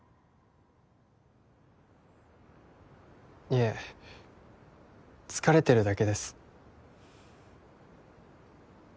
いえ疲れてるだけです